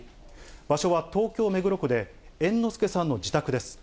場所は東京・目黒区で、猿之助さんの自宅です。